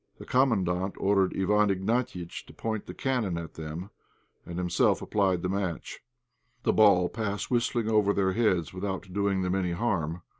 The Commandant ordered Iwán Ignatiitch to point the cannon at them, and himself applied the match. The ball passed whistling over their heads without doing them any harm.